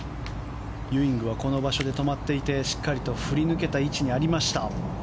ユーイングはこの場所で止まっていてしっかりと振り抜けた位置にありました。